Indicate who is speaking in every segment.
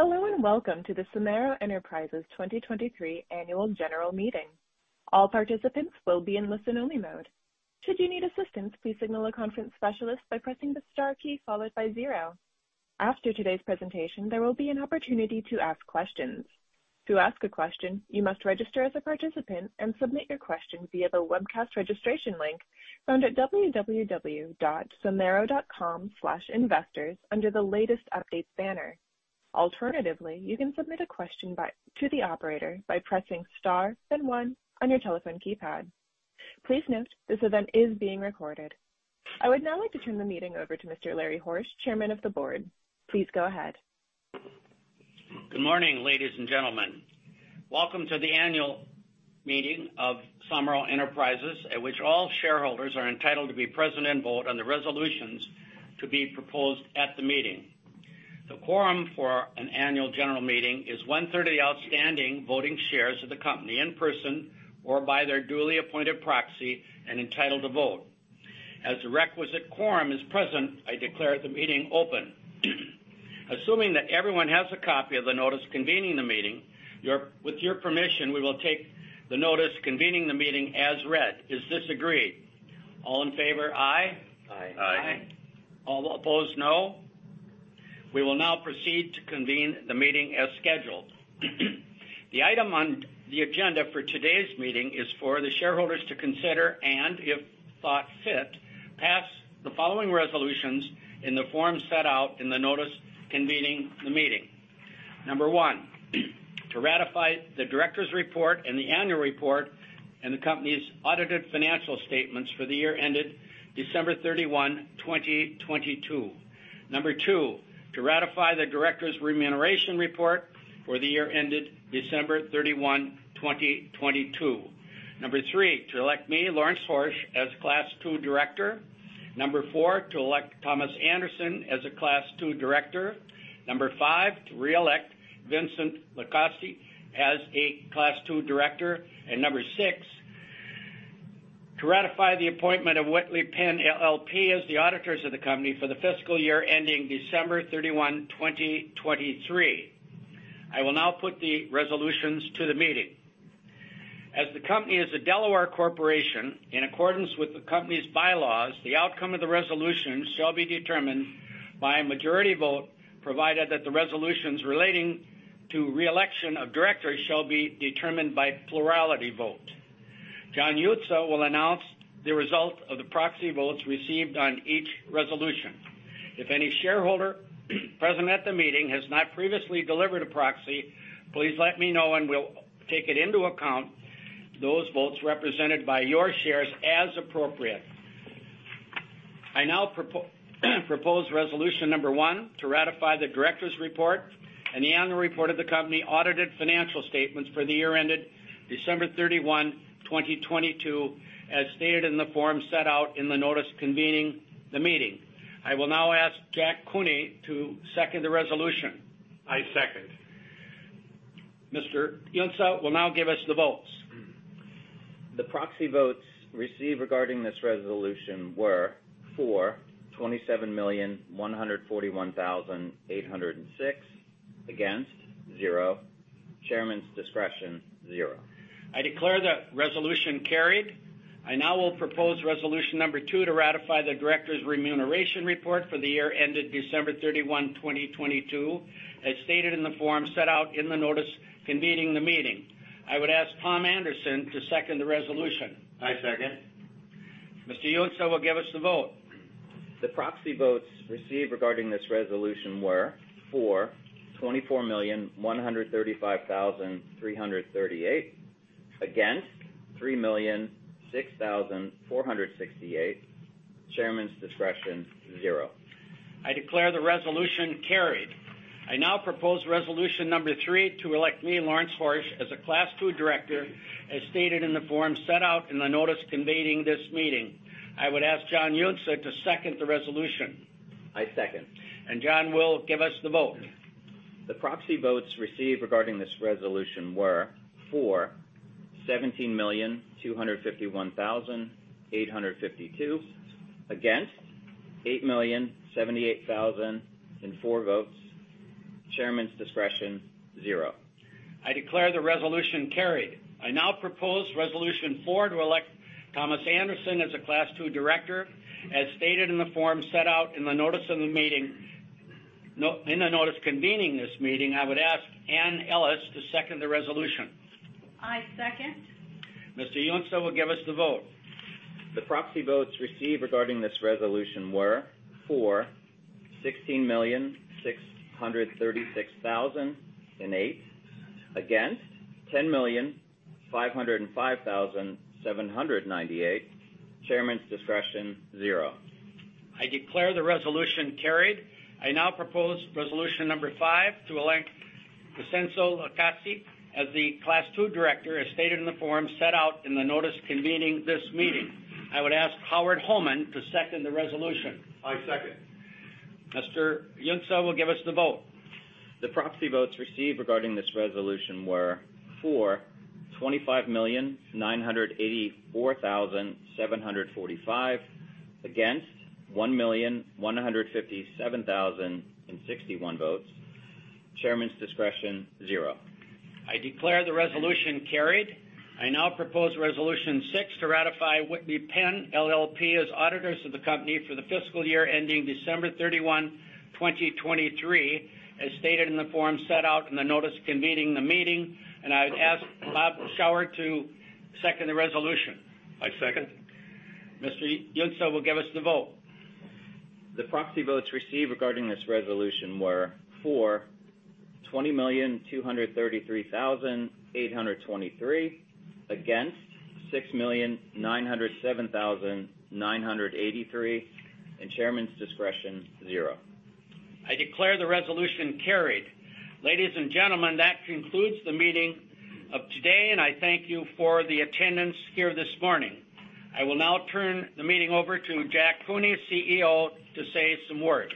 Speaker 1: Hello, welcome to the Somero Enterprises 2023 Annual General Meeting. All participants will be in listen only mode. Should you need assistance, please signal a conference specialist by pressing the star key followed by 0. After today's presentation, there will be an opportunity to ask questions. To ask a question, you must register as a participant and submit your question via the webcast registration link found at www.somero.com/investors under the Latest Updates banner. Alternatively, you can submit a question to the operator by pressing Star then 1 on your telephone keypad. Please note, this event is being recorded. I would now like to turn the meeting over to Mr. Larry Horsch, Chairman of the Board. Please go ahead.
Speaker 2: Good morning, ladies and gentlemen. Welcome to the annual meeting of Somero Enterprises, at which all shareholders are entitled to be present and vote on the resolutions to be proposed at the meeting. The quorum for an Annual General Meeting is 1/3 of the outstanding voting shares of the company in person or by their duly appointed proxy and entitled to vote. As the requisite quorum is present, I declare the meeting open. Assuming that everyone has a copy of the notice convening the meeting, with your permission, we will take the notice convening the meeting as read. Is this agreed? All in favor, aye.
Speaker 3: Aye.
Speaker 2: All opposed, no. We will now proceed to convene the meeting as scheduled. The item on the agenda for today's meeting is for the shareholders to consider and, if thought fit, pass the following resolutions in the form set out in the notice convening the meeting. Number one, to ratify the Director's report and the annual report and the company's audited financial statements for the year ended December 31, 2022. Number two, to ratify the Director's remuneration report for the year ended December 31, 2022. Number three, to elect me, Lawrence Horsch, as Class II Director. Number four, to elect Thomas Anderson as a Class II Director. Number five, to re-elect Vincenzo LiCausi as a Class II Director. Number six, to ratify the appointment of Whitley Penn LLP as the auditors of the company for the fiscal year ending December 31, 2023. I will now put the resolutions to the meeting. As the company is a Delaware corporation, in accordance with the company's bylaws, the outcome of the resolution shall be determined by a majority vote, provided that the resolutions relating to re-election of directors shall be determined by plurality vote. John Yuncza will announce the result of the proxy votes received on each resolution. If any shareholder present at the meeting has not previously delivered a proxy, please let me know and we'll take it into account those votes represented by your shares as appropriate. I now propose resolution number one to ratify the Director's report and the annual report of the company audited financial statements for the year ended December 31, 2022, as stated in the form set out in the notice convening the meeting. I will now ask Jack Cooney to second the resolution. I second. Mr. Yuncza will now give us the votes.
Speaker 3: The proxy votes received regarding this resolution were for 27,141,806. Against, 0. Chairman's discretion, 0.
Speaker 2: I declare the resolution carried. I now will propose resolution number two to ratify the Director's remuneration report for the year ended December 31, 2022, as stated in the form set out in the notice convening the meeting. I would ask Tom Anderson to second the resolution. I second. Mr. Yuncza will give us the vote.
Speaker 3: The proxy votes received regarding this resolution were for 24,135,338. Against, 3,006,468. Chairman's discretion, 0.
Speaker 2: I declare the resolution carried. I now propose resolution number three to elect me, Lawrence Horsch, as a Class II Director, as stated in the form set out in the notice convening this meeting. I would ask John Yuncza to second the resolution.
Speaker 3: I second.
Speaker 2: John will give us the vote.
Speaker 3: The proxy votes received regarding this resolution were for 17,251,852. Against, 8,078,004 votes. Chairman's discretion, 0.
Speaker 2: I declare the resolution carried. I now propose resolution 4 to elect Thomas Anderson as a Class II Director, as stated in the form set out in the notice of the meeting. In the notice convening this meeting, I would ask Anne Ellis to second the resolution. I second. Mr. Yuncza will give us the vote.
Speaker 3: The proxy votes received regarding this resolution were for 16,636,008. Against, 10,505,798. Chairman's discretion, 0.
Speaker 2: I declare the resolution carried. I now propose resolution number five to elect Vincenzo LiCausi as the Class II Director, as stated in the form set out in the notice convening this meeting. I would ask Howard Hohmann to second the resolution. I second. Mr. Yuncza will give us the vote.
Speaker 3: The proxy votes received regarding this resolution were for 25,984,745 against 1,157,061 votes. Chairman's discretion, 0.
Speaker 2: I declare the resolution carried. I now propose resolution 6 to ratify Whitley Penn LLP as auditors of the company for the fiscal year ending December 31, 2023, as stated in the form set out in the notice convening the meeting, and I would ask Bob Scheuer to second the resolution.
Speaker 4: I second.
Speaker 2: Mr. Yuncza will give us the vote.
Speaker 3: The proxy votes received regarding this resolution were for 20,233,823, against 6,907,983, and Chairman's discretion, 0.
Speaker 2: I declare the resolution carried. Ladies and gentlemen, that concludes the meeting of today, and I thank you for the attendance here this morning. I will now turn the meeting over to Jack Cooney, CEO, to say some words.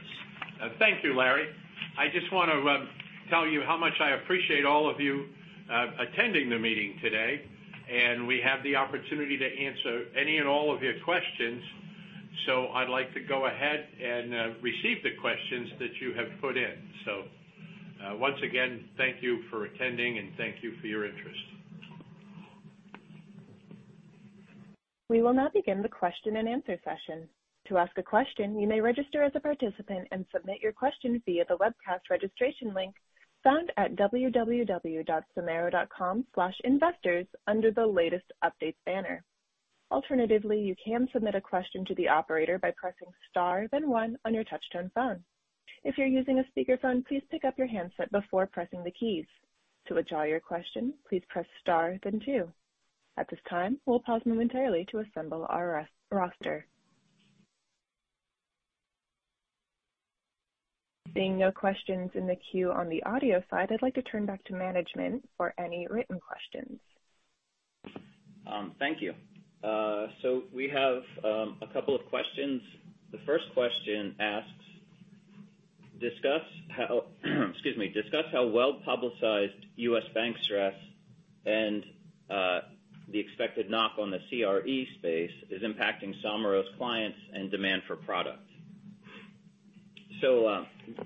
Speaker 4: Thank you, Larry. I just wanna tell you how much I appreciate all of you attending the meeting today, and we have the opportunity to answer any and all of your questions. I'd like to go ahead and receive the questions that you have put in. Once again, thank you for attending, and thank you for your interest.
Speaker 1: We will now begin the question and answer session. To ask a question, you may register as a participant and submit your question via the webcast registration link found at www.Somero.com/investors under the Latest Updates banner. Alternatively, you can submit a question to the operator by pressing star then one on your touchtone phone. If you're using a speakerphone, please pick up your handset before pressing the keys. To withdraw your question, please press star then two. At this time, we'll pause momentarily to assemble our roster. Seeing no questions in the queue on the audio side, I'd like to turn back to management for any written questions.
Speaker 3: Thank you. We have a couple of questions. The first question asks, discuss how, excuse me, discuss how well-publicized U.S. bank stress and the expected knock on the CRE space is impacting Somero's clients and demand for products.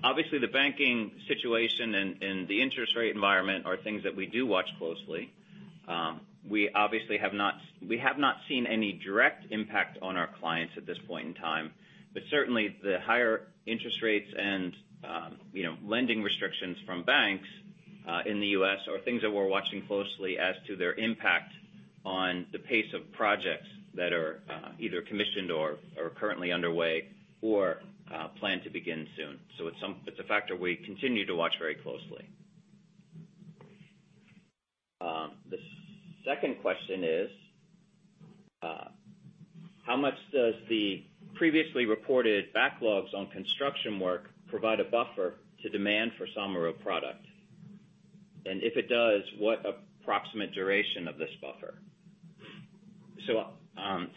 Speaker 3: Obviously the banking situation and the interest rate environment are things that we do watch closely. We obviously have not seen any direct impact on our clients at this point in time. Certainly the higher interest rates and, you know, lending restrictions from banks in the U.S. are things that we're watching closely as to their impact on the pace of projects that are either commissioned or are currently underway or plan to begin soon. It's a factor we continue to watch very closely. The second question is, how much does the previously reported backlogs on construction work provide a buffer to demand for Somero product? If it does, what approximate duration of this buffer?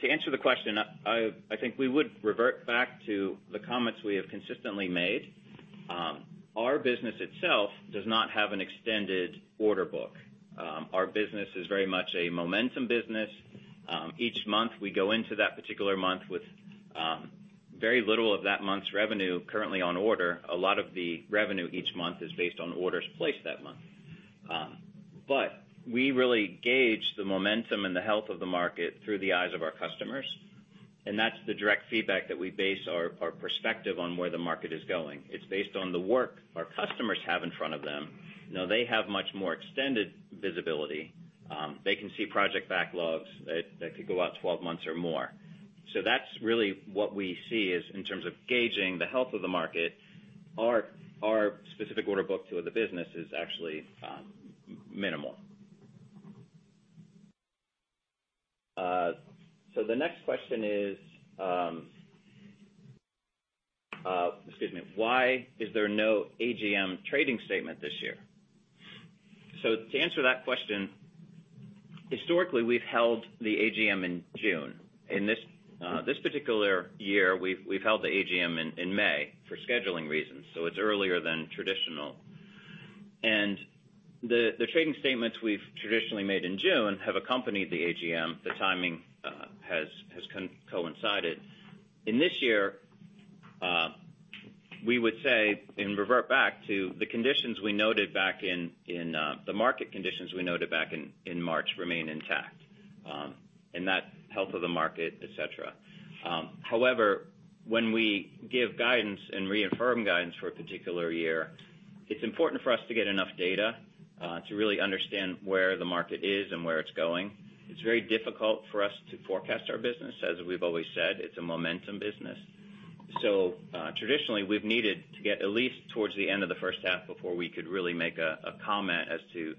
Speaker 3: To answer the question, I think we would revert back to the comments we have consistently made. Our business itself does not have an extended order book. Our business is very much a momentum business. Each month, we go into that particular month with very little of that month's revenue currently on order. A lot of the revenue each month is based on orders placed that month. We really gauge the momentum and the health of the market through the eyes of our customers, and that's the direct feedback that we base our perspective on where the market is going. It's based on the work our customers have in front of them. Now they have much more extended visibility. They can see project backlogs that could go out 12 months or more. That's really what we see is in terms of gauging the health of the market, our specific order book to the business is actually minimal. The next question is, excuse me. Why is there no AGM trading statement this year? To answer that question, historically, we've held the AGM in June. In this particular year, we've held the AGM in May for scheduling reasons, so it's earlier than traditional. The trading statements we've traditionally made in June have accompanied the AGM. The timing has coincided. In this year, we would say and revert back to the conditions we noted back in the market conditions we noted back in March remain intact, and that health of the market, et cetera. However, when we give guidance and reaffirm guidance for a particular year, it's important for us to get enough data to really understand where the market is and where it's going. It's very difficult for us to forecast our business. As we've always said, it's a momentum business. Traditionally, we've needed to get at least towards the end of the first half before we could really make a comment as to,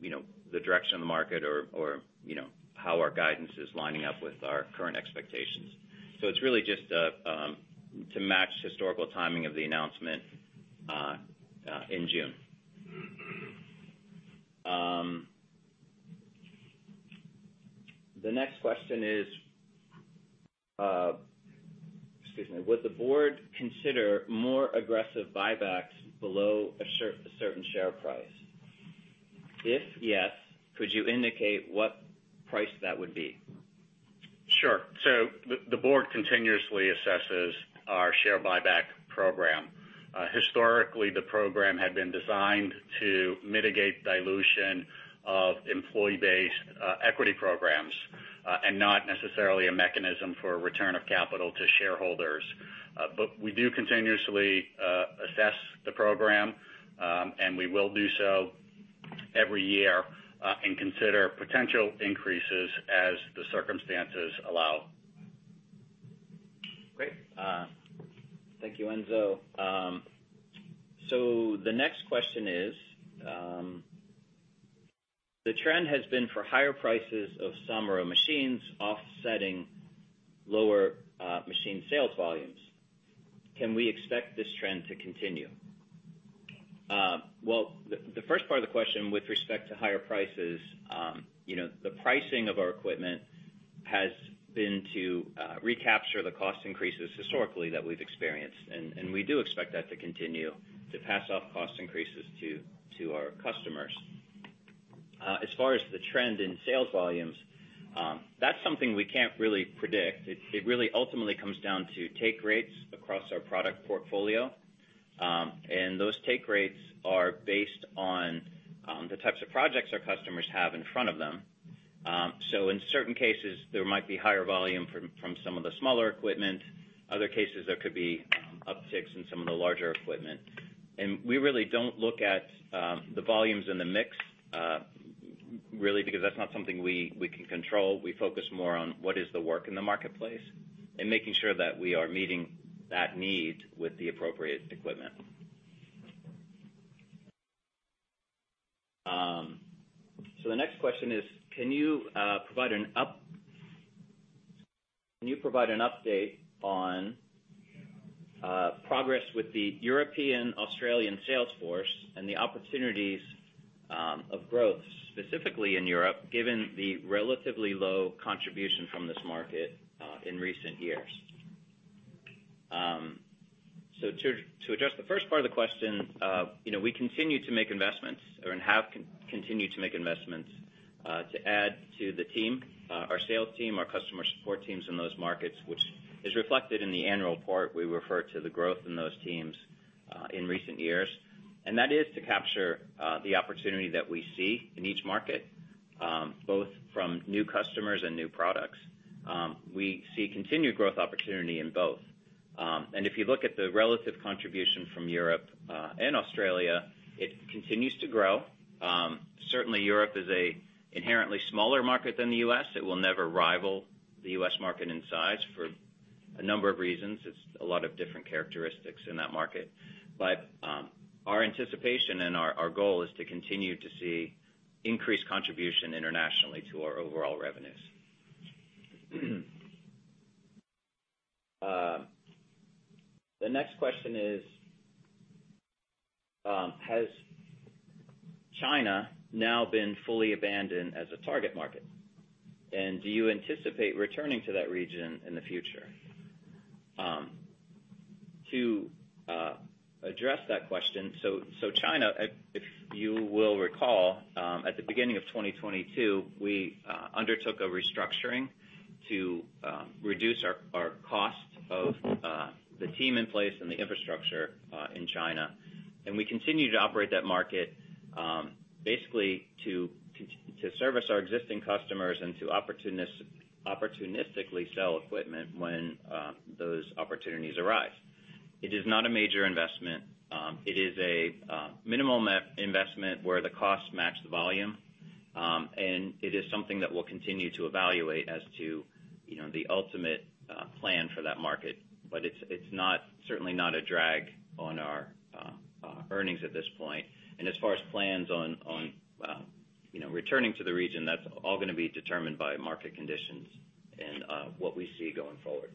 Speaker 3: you know, the direction of the market or, you know, how our guidance is lining up with our current expectations. It's really just to match historical timing of the announcement in June. The next question is, excuse me, would the board consider more aggressive buybacks below a certain share price? If yes, could you indicate what price that would be?
Speaker 5: Sure. The board continuously assesses our share buyback program. Historically, the program had been designed to mitigate dilution of employee-based equity programs and not necessarily a mechanism for return of capital to shareholders. We do continuously assess the program. We will do so every year and consider potential increases as the circumstances allow.
Speaker 3: Great. Thank you, Enzo. The next question is, the trend has been for higher prices of Somero machines offsetting lower machine sales volumes. Can we expect this trend to continue? Well, the first part of the question with respect to higher prices, you know, the pricing of our equipment has been to recapture the cost increases historically that we've experienced. We do expect that to continue to pass off cost increases to our customers. As far as the trend in sales volumes, that's something we can't really predict. It really ultimately comes down to take rates across our product portfolio. Those take rates are based on the types of projects our customers have in front of them. In certain cases, there might be higher volume from some of the smaller equipment. Other cases, there could be upticks in some of the larger equipment. We really don't look at the volumes in the mix really because that's not something we can control. We focus more on what is the work in the marketplace and making sure that we are meeting that need with the appropriate equipment. The next question is, can you provide an update on progress with the European Australian sales force and the opportunities of growth, specifically in Europe, given the relatively low contribution from this market in recent years? To address the first part of the question, you know, we continue to make investments or, and have continued to make investments, to add to the team, our sales team, our customer support teams in those markets, which is reflected in the annual report. We refer to the growth in those teams in recent years. That is to capture the opportunity that we see in each market, both from new customers and new products. We see continued growth opportunity in both. If you look at the relative contribution from Europe and Australia, it continues to grow. Certainly Europe is a inherently smaller market than the U.S. It will never rival the U.S. market in size for a number of reasons. It's a lot of different characteristics in that market. Our anticipation and our goal is to continue to see increased contribution internationally to our overall revenues. The next question is, has China now been fully abandoned as a target market, and do you anticipate returning to that region in the future? To address that question, so China, if you will recall, at the beginning of 2022, we undertook a restructuring to reduce our costs of the team in place and the infrastructure in China. We continue to operate that market, basically to service our existing customers and to opportunistically sell equipment when those opportunities arise. It is not a major investment. It is a minimal investment where the costs match the volume. It is something that we'll continue to evaluate as to, you know, the ultimate plan for that market. It's not, certainly not a drag on our earnings at this point. As far as plans on, you know, returning to the region, that's all gonna be determined by market conditions and what we see going forward.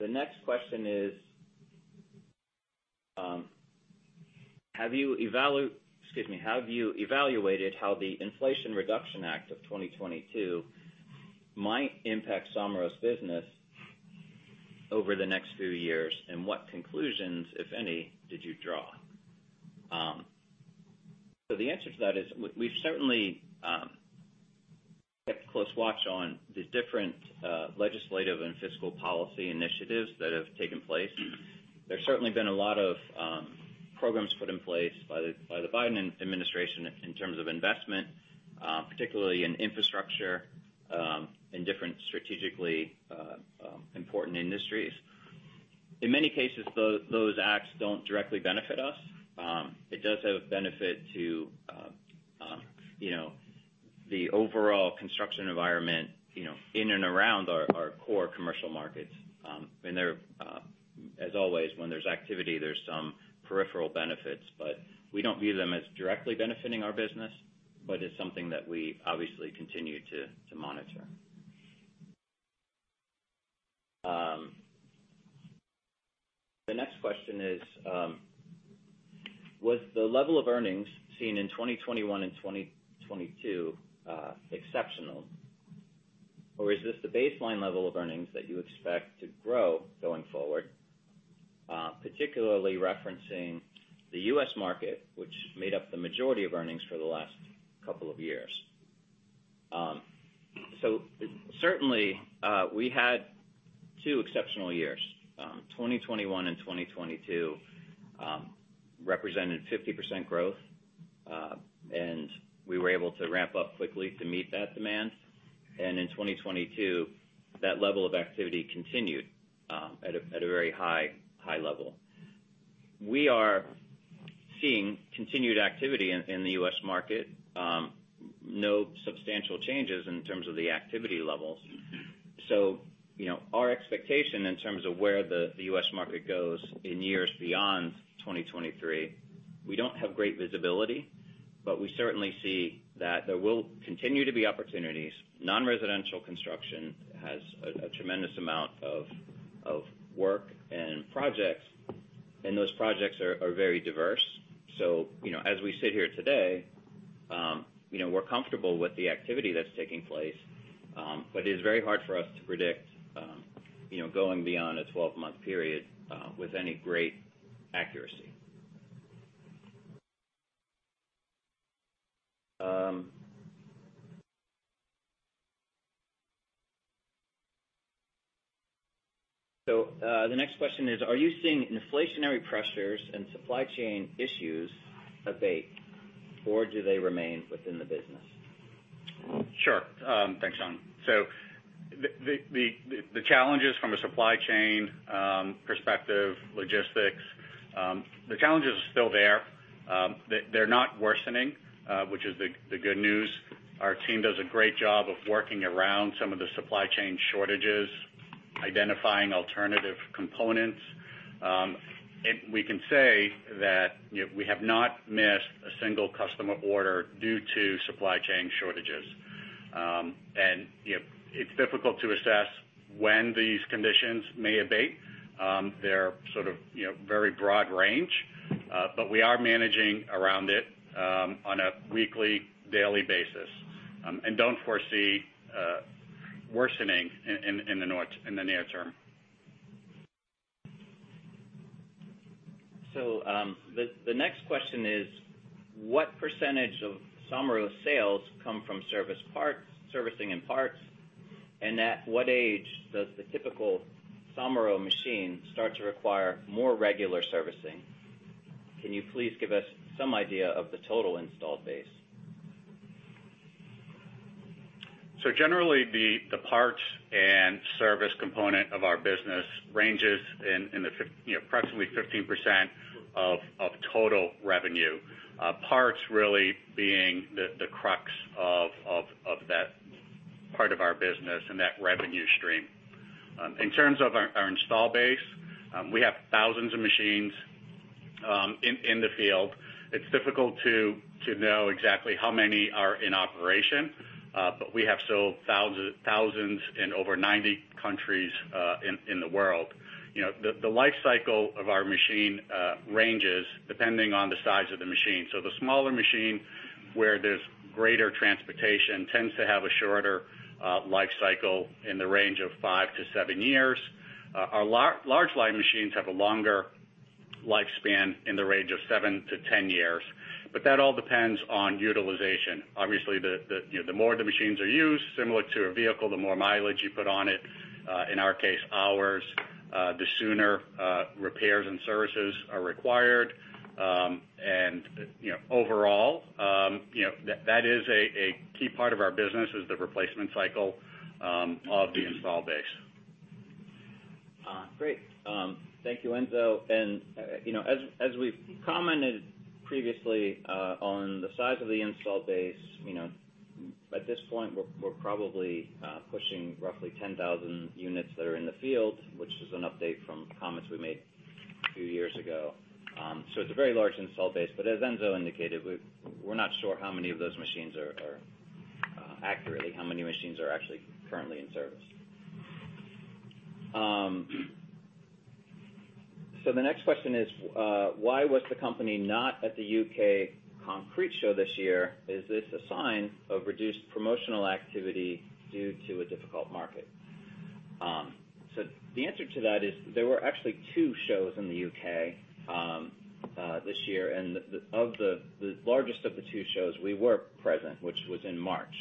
Speaker 3: The next question is, have you evaluated how the Inflation Reduction Act of 2022 might impact Somero's business over the next few years, and what conclusions, if any, did you draw? The answer to that is we've certainly kept close watch on the different legislative and fiscal policy initiatives that have taken place. There's certainly been a lot of programs put in place by the Biden administration in terms of investment, particularly in infrastructure, and different strategically important industries. In many cases, those acts don't directly benefit us. It does have a benefit to, you know, the overall construction environment, you know, in and around our core commercial markets. There, as always, when there's activity, there's some peripheral benefits, but we don't view them as directly benefiting our business, but it's something that we obviously continue to monitor. The next question is, was the level of earnings seen in 2021 and 2022 exceptional or is this the baseline level of earnings that you expect to grow going forward? Particularly referencing the U.S. market, which made up the majority of earnings for the last couple of years. Certainly, we had two exceptional years. 2021 and 2022 represented 50% growth, and we were able to ramp up quickly to meet that demand. In 2022, that level of activity continued at a very high level. We are seeing continued activity in the U.S. market, no substantial changes in terms of the activity levels. You know, our expectation in terms of where the U.S. market goes in years beyond 2023, we don't have great visibility, but we certainly see that there will continue to be opportunities. Non-residential construction has a tremendous amount of work and projects, and those projects are very diverse. You know, as we sit here today, you know, we're comfortable with the activity that's taking place, but it is very hard for us to predict, you know, going beyond a 12-month period with any great accuracy. The next question is, are you seeing inflationary pressures and supply chain issues abate, or do they remain within the business?
Speaker 5: Sure. Thanks, Sean. The challenges from a supply chain perspective, logistics, the challenges are still there. They're not worsening, which is the good news. Our team does a great job of working around some of the supply chain shortages, identifying alternative components. We can say that, you know, we have not missed a single customer order due to supply chain shortages. You know, it's difficult to assess when these conditions may abate. They're sort of, you know, very broad range, but we are managing around it on a weekly, daily basis, and don't foresee worsening in the near term.
Speaker 3: The next question is, what % of Somero sales come from service parts, servicing and parts? At what age does the typical Somero machine start to require more regular servicing? Can you please give us some idea of the total installed base?
Speaker 5: Generally, the parts and service component of our business ranges, you know, approximately 15% of total revenue. Parts really being the crux of that part of our business and that revenue stream. In terms of our install base, we have thousands of machines in the field. It's difficult to know exactly how many are in operation, but we have sold thousands in over 90 countries in the world. You know, the life cycle of our machine ranges depending on the size of the machine. The smaller machine, where there's greater transportation, tends to have a shorter life cycle in the range of 5-7 years. Our large line machines have a longer lifespan in the range of 7-10 years, that all depends on utilization. Obviously, the, you know, the more the machines are used, similar to a vehicle, the more mileage you put on it, in our case, hours, the sooner repairs and services are required. You know, overall, you know, that is a key part of our business is the replacement cycle of the install base.
Speaker 3: Great. Thank you, Enzo. You know, as we've commented previously, on the size of the install base, you know, at this point we're probably pushing roughly 10,000 units that are in the field, which is an update from comments we made a few years ago. It's a very large install base, but as Enzo indicated, we're not sure how many of those machines are accurately, how many machines are actually currently in service. The next question is, why was the company not at the U.K. Concrete Show this year? Is this a sign of reduced promotional activity due to a difficult market? The answer to that is there were actually two shows in the U.K. this year. The largest of the two shows we were present, which was in March.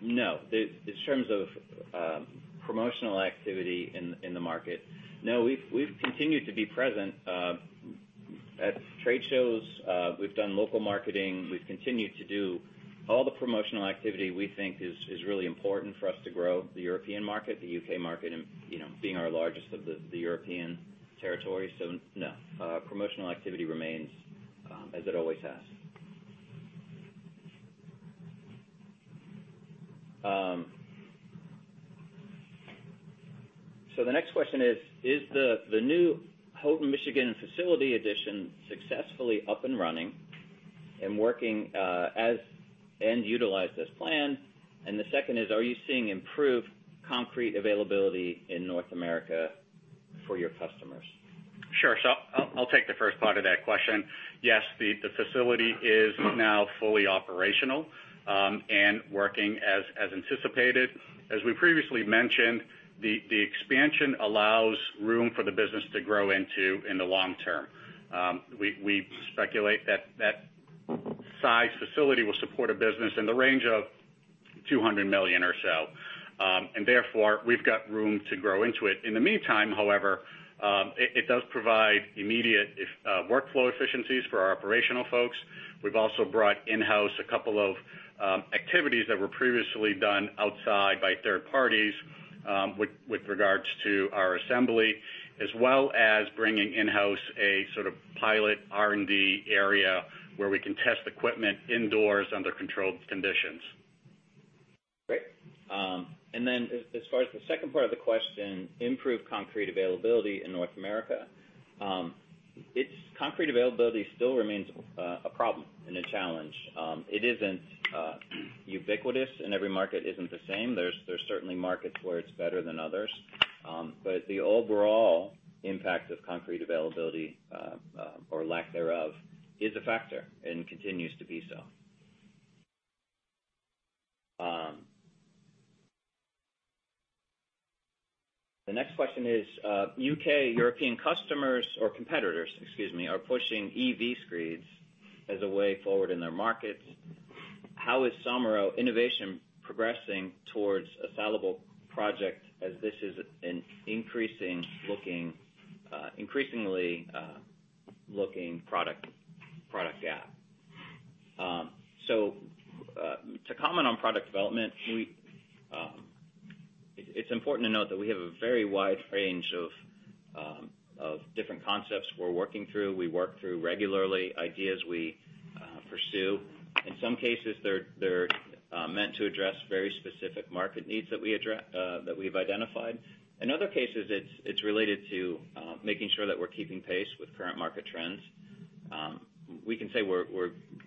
Speaker 3: No, in terms of promotional activity in the market, no, we've continued to be present at trade shows. We've done local marketing. We've continued to do all the promotional activity we think is really important for us to grow the European Market, the UK market, and, you know, being our largest of the European territory. No, promotional activity remains as it always has. The next question is the new Houghton, Michigan facility addition successfully up and running and working and utilized as planned? The second is, are you seeing improved concrete availability in North America for your customers?
Speaker 5: Sure. I'll take the first part of that question. Yes, the facility is now fully operational and working as anticipated. As we previously mentioned, the expansion allows room for the business to grow into in the long term. We speculate that that size facility will support a business in the range of $200 million or so. Therefore, we've got room to grow into it. In the meantime, however, it does provide immediate workflow efficiencies for our operational folks. We've also brought in-house a couple of activities that were previously done outside by third parties with regards to our assembly, as well as bringing in-house a sort of pilot R&D area where we can test equipment indoors under controlled conditions.
Speaker 3: Great. As far as the second part of the question, improved concrete availability in North America. Concrete availability still remains a problem and a challenge. It isn't ubiquitous, and every market isn't the same. There's certainly markets where it's better than others. The overall impact of concrete availability, or lack thereof is a factor and continues to be so. The next question is, U.K. European customers or competitors, excuse me, are pushing EV screeds as a way forward in their markets. How is Somero innovation progressing towards a sellable project as this is an increasingly looking product gap? To comment on product development, It's important to note that we have a very wide range of different concepts we're working through. We work through regularly ideas we pursue. In some cases, they're meant to address very specific market needs that we've identified. In other cases, it's related to making sure that we're keeping pace with current market trends. We can say we're,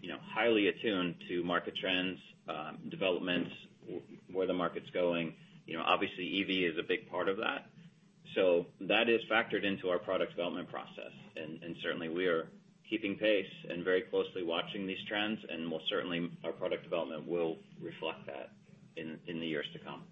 Speaker 3: you know, highly attuned to market trends, developments, where the market's going. You know, obviously, EV is a big part of that. That is factored into our product development process. Certainly we are keeping pace and very closely watching these trends, and most certainly our product development will reflect that in the years to come.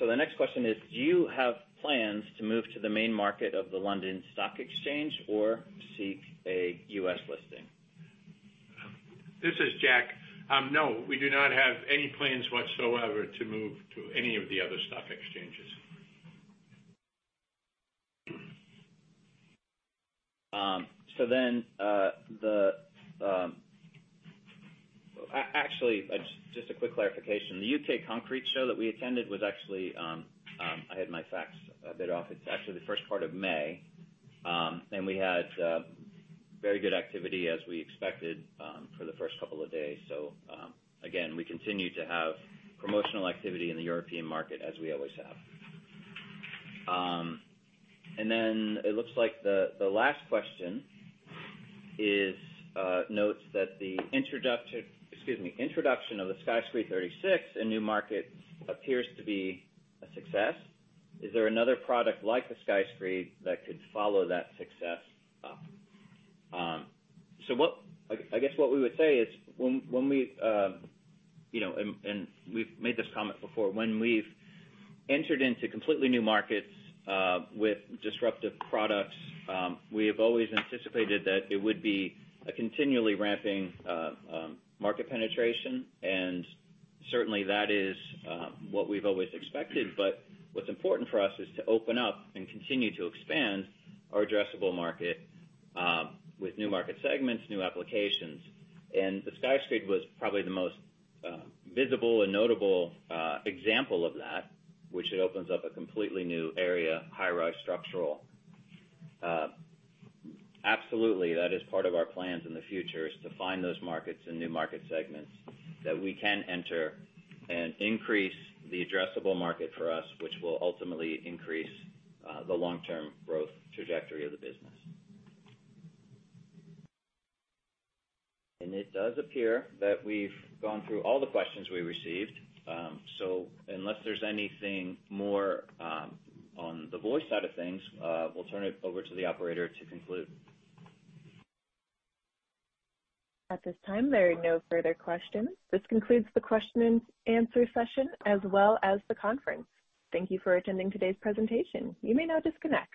Speaker 3: The next question is, do you have plans to move to the main market of the London Stock Exchange or seek a U.S. listing?
Speaker 4: This is Jack. No, we do not have any plans whatsoever to move to any of the other stock exchanges.
Speaker 3: Actually, just a quick clarification. The UK Concrete Show that we attended was actually, I had my facts a bit off. It's actually the first part of May. We had very good activity as we expected for the first couple of days. Again, we continue to have promotional activity in the European market as we always have. It looks like the last question is notes that the introduction of the Sky Screed 36 in new market appears to be a success. Is there another product like the Sky Screed that could follow that success up? What I guess what we would say is when we've, you know, and we've made this comment before. When we've entered into completely new markets, with disruptive products, we have always anticipated that it would be a continually ramping market penetration. Certainly, that is what we've always expected. What's important for us is to open up and continue to expand our addressable market, with new market segments, new applications. The Sky Screed was probably the most visible and notable example of that, which it opens up a completely new area, high-rise structural. Absolutely, that is part of our plans in the future, is to find those markets and new market segments that we can enter and increase the addressable market for us, which will ultimately increase the long-term growth trajectory of the business. It does appear that we've gone through all the questions we received. Unless there's anything more, on the voice side of things, we'll turn it over to the operator to conclude.
Speaker 1: At this time, there are no further questions. This concludes the and answer session, as well as the conference. Thank you for attending today's presentation. You may now disconnect.